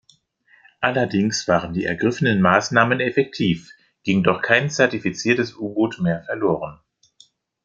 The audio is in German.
Allerdings waren die ergriffenen Maßnahmen effektiv, ging doch kein zertifiziertes U-Boot mehr verloren.